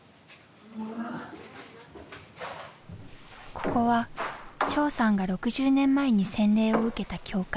ここは長さんが６０年前に洗礼を受けた教会。